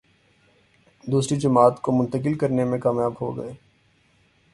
دوسری جماعت کو منتقل کرنے میں کامیاب ہو گئے۔